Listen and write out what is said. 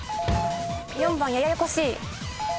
４番ややこしい。